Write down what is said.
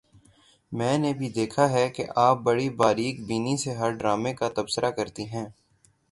میں نے بھی دیکھا ہے کہ آپ بڑی باریک بینی سے ہر ڈرامے کا تبصرہ کرتی ہیں